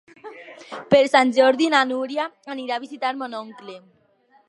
Per Sant Jordi na Núria anirà a visitar mon oncle.